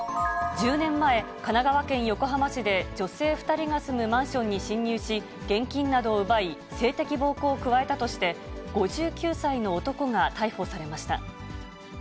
１０年前、神奈川県横浜市で女性２人が住むマンションに侵入し、現金などを奪い、性的暴行を加えたとして、５９歳の男が逮捕されました。